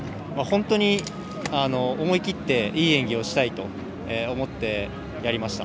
思い切っていい演技をしたいと思ってやりました。